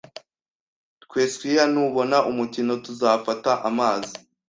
twe, squire, nubona umukino, tuzafata amazi. ”